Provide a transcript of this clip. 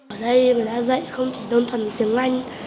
ở đây mình đã dạy không chỉ đơn thuần tiếng anh